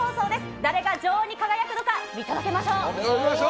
誰が女王に輝くのか、見届けまし見届けましょう。